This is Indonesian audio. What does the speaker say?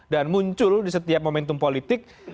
dan muncul di setiap momentum politik